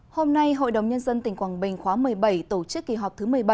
hôm nay hội đồng nhân dân tỉnh quảng bình khóa một mươi bảy tổ chức kỳ họp thứ một mươi bảy